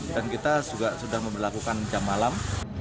dan kita juga sudah melakukan jam malam